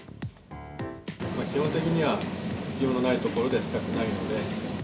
基本的には、必要のない所では、したくないので。